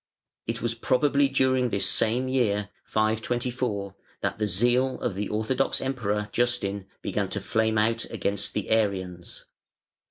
It was probably during this same year 524 that the zeal of the orthodox Emperor Justin began to flame out against the Arians.